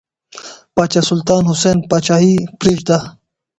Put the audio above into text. پاچا سلطان حسین پاچاهي پرېږده.